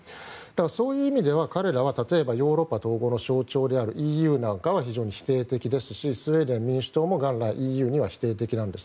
そういう意味では彼らは例えばヨーロッパ統合の象徴であるＥＵなんかには否定的ですしスウェーデン民主党も元来、ＥＵには否定的です。